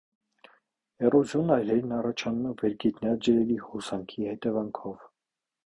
Էրոզիոն այրերն առաջանում են վերգետնյա ջրերի հոսանքի հետևանքով։